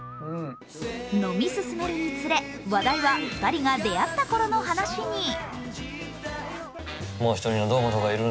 飲み進めるにつれ、話題は２人が出会ったころの話に。